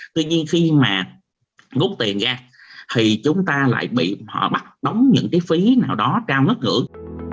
tuy nhiên khi mà ngút tiền ra thì chúng ta lại bị họ bắt đóng những cái phí nào đó cao ngất ngưỡng